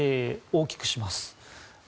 大きくします。